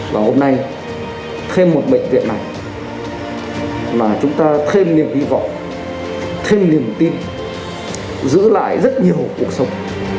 và hôm nay thêm một bệnh viện này mà chúng ta thêm niềm hy vọng thêm niềm tin giữ lại rất nhiều cuộc sống